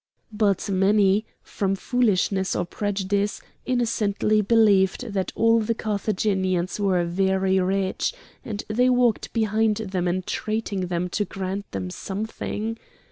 But many, from foolishness or prejudice, innocently believed that all the Carthaginians were very rich, and they walked behind them entreating them to grant them something.